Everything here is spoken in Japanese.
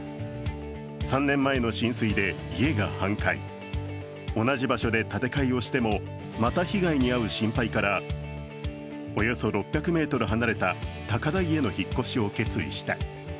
３年前の浸水で家が半壊、同じ場所で建て替えをしてもまた被害に遭う心配からおよそ６００ｍ離れた高台への引っ越しを決意した。